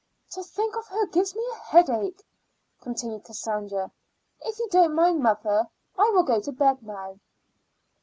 "To think of her gives me a headache," continued Cassandra. "If you don't mind, mother, I will go to bed now."